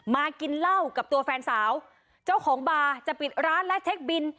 มากินเหล้ากับตัวแฟนสาวเจ้าของบาร์จะปิดร้านและเช็คบิน